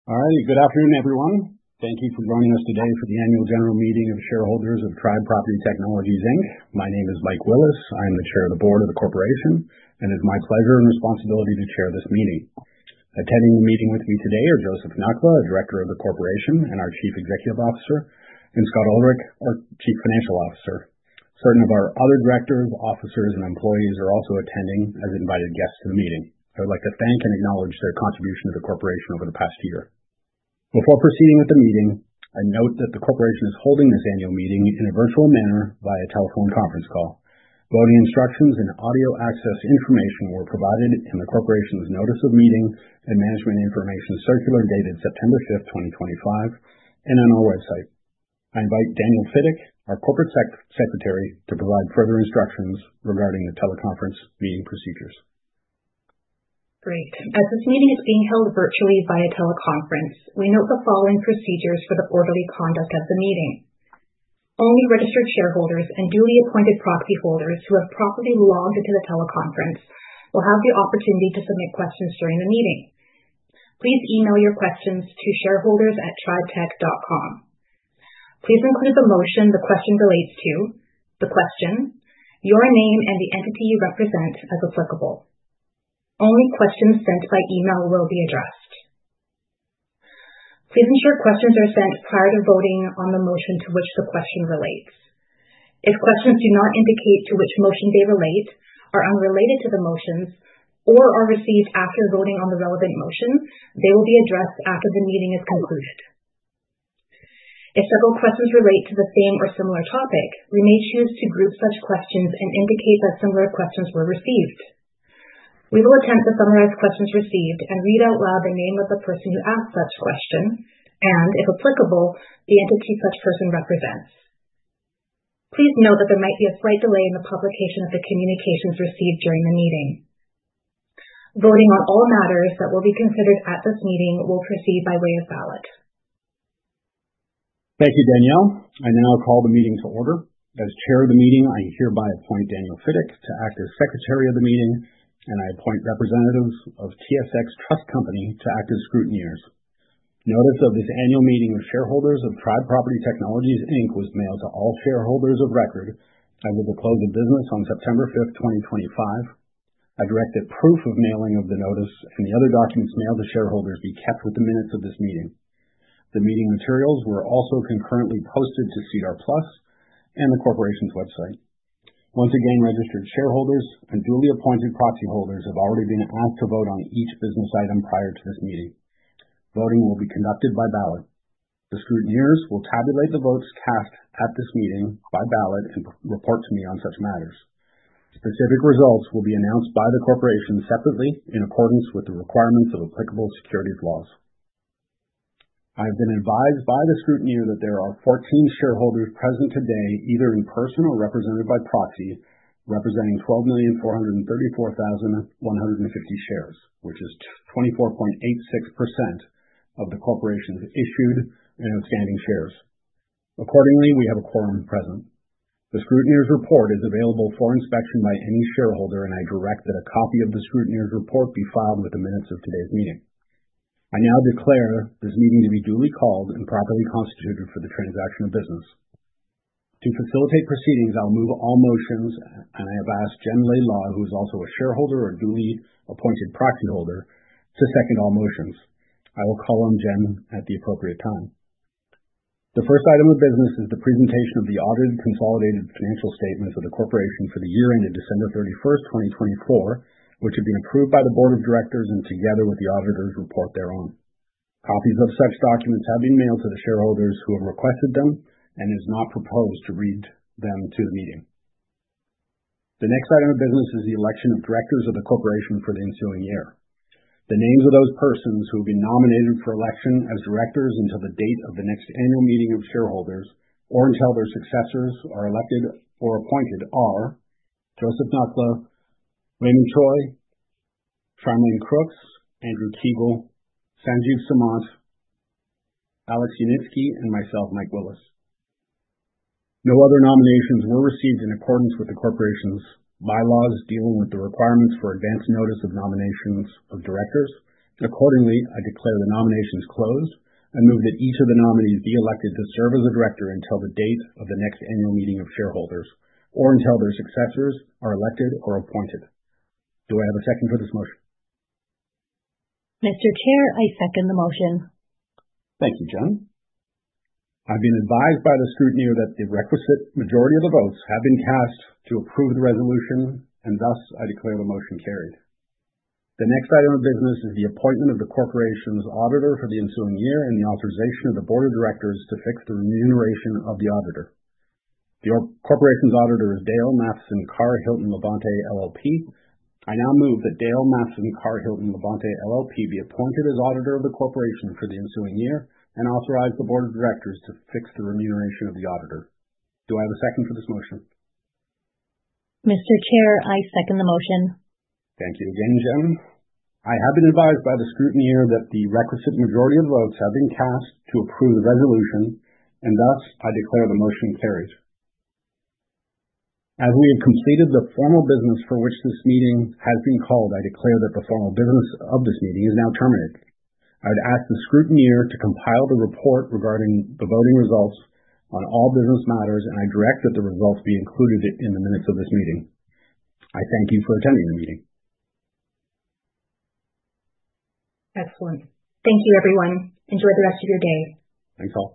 All righty. Good afternoon, everyone. Thank you for joining us today for the annual general meeting of shareholders of Tribe Property Technologies, Inc. My name is Mike Willis. I am the Chair of the Board of the corporation, and it is my pleasure and responsibility to chair this meeting. Attending the meeting with me today are Joseph Nakhla, director of the corporation, and our Chief Executive Officer, and Scott Ulrich, our Chief Financial Officer. Certain of our other directors, officers, and employees are also attending as invited guests to the meeting. I would like to thank and acknowledge their contribution to the corporation over the past year. Before proceeding with the meeting, I note that the corporation is holding this annual meeting in a virtual manner via telephone conference call. Voting instructions and audio access information were provided in the corporation's notice of meeting and Management Information Circular dated September 5th, 2025, and on our website. I invite Danielle Fiddick, our Corporate Secretary, to provide further instructions regarding the teleconference meeting procedures. Great. As this meeting is being held virtually via teleconference, we note the following procedures for the orderly conduct of the meeting. Only registered shareholders and duly appointed proxy holders who have properly logged into the teleconference will have the opportunity to submit questions during the meeting. Please email your questions to shareholders@tribetech.com. Please include the motion the question relates to, the question, your name, and the entity you represent as applicable. Only questions sent by email will be addressed. Please ensure questions are sent prior to voting on the motion to which the question relates. If questions do not indicate to which motion they relate, are unrelated to the motions, or are received after voting on the relevant motion, they will be addressed after the meeting is concluded. If several questions relate to the same or similar topic, we may choose to group such questions and indicate that similar questions were received. We will attempt to summarize questions received and read out loud the name of the person who asked such question and, if applicable, the entity such person represents. Please note that there might be a slight delay in the publication of the communications received during the meeting. Voting on all matters that will be considered at this meeting will proceed by way of ballot. Thank you, Danielle. I now call the meeting to order. As chair of the meeting, I hereby appoint Danielle Fiddick to act as secretary of the meeting, and I appoint representatives of TSX Trust Company to act as scrutineers. Notice of this annual meeting of shareholders of Tribe Property Technologies, Inc., was mailed to all shareholders of record, and with the close of business on September 5th, 2025. I direct that proof of mailing of the notice and the other documents mailed to shareholders be kept with the minutes of this meeting. The meeting materials were also concurrently posted to SEDAR+ and the corporation's website. Once again, registered shareholders and duly appointed proxy holders have already been asked to vote on each business item prior to this meeting. Voting will be conducted by ballot. The scrutineers will tabulate the votes cast at this meeting by ballot and report to me on such matters. Specific results will be announced by the corporation separately in accordance with the requirements of applicable securities laws. I have been advised by the scrutineer that there are 14 shareholders present today, either in person or represented by proxy, representing 12,434,150 shares, which is 24.86% of the corporation's issued and outstanding shares. Accordingly, we have a quorum present. The scrutineer's report is available for inspection by any shareholder, and I direct that a copy of the scrutineer's report be filed with the minutes of today's meeting. I now declare this meeting to be duly called and properly constituted for the transaction of business. To facilitate proceedings, I'll move all motions, and I have asked Jen Laidlaw, who is also a shareholder or duly appointed proxy holder, to second all motions. I will call on Jen at the appropriate time. The first item of business is the presentation of the audited consolidated financial statements of the corporation for the year ended December 31st, 2024, which have been approved by the board of directors and together with the auditor's report thereon. Copies of such documents have been mailed to the shareholders who have requested them and it is not proposed to read them to the meeting. The next item of business is the election of directors of the corporation for the ensuing year. The names of those persons who have been nominated for election as directors until the date of the next annual meeting of shareholders or until their successors are elected or appointed are Joseph Nakhla, Raymond Choi, Charmaine Crooks, Andrew Teagle, Sanjiv Samant, Alex Unitsky, and myself, Mike Willis. No other nominations were received in accordance with the corporation's bylaws dealing with the requirements for advance notice of nominations of directors. Accordingly, I declare the nominations closed. I move that each of the nominees be elected to serve as a director until the date of the next annual meeting of shareholders or until their successors are elected or appointed. Do I have a second for this motion? Mr. Chair, I second the motion. Thank you, Jen. I've been advised by the scrutineer that the requisite majority of the votes have been cast to approve the resolution, and thus I declare the motion carried. The next item of business is the appointment of the corporation's auditor for the ensuing year and the authorization of the board of directors to fix the remuneration of the auditor. The corporation's auditor is Dale Matheson Carr-Hilton Labonte, LLP. I now move that Dale Matheson Carr-Hilton Labonte, LLP, be appointed as auditor of the corporation for the ensuing year and authorize the board of directors to fix the remuneration of the auditor. Do I have a second for this motion? Mr. Chair, I second the motion. Thank you again, Jen. I have been advised by the scrutineer that the requisite majority of the votes have been cast to approve the resolution, and thus I declare the motion carried. As we have completed the formal business for which this meeting has been called, I declare that the formal business of this meeting is now terminated. I would ask the scrutineer to compile the report regarding the voting results on all business matters, and I direct that the results be included in the minutes of this meeting. I thank you for attending the meeting. Excellent. Thank you, everyone. Enjoy the rest of your day. Thanks all.